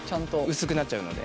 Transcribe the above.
薄くなっちゃうので。